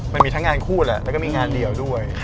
มันมีทั้งงานคู่แหละแล้วก็มีงานเดียวด้วย